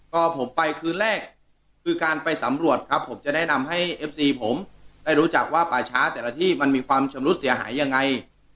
ก็ผมไปคืนแรกคือการไปสำรวจครับผมจะแนะนำให้เอฟซีผมได้รู้จักว่าป่าช้าแต่ละที่มันมีความชำรุดเสียหายยังไง